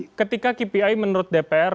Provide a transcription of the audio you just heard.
nah ketika kpi menurut dpr